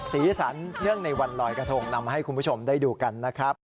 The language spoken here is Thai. สีสันเนื่องในวันลอยกระทงนำมาให้คุณผู้ชมได้ดูกันนะครับ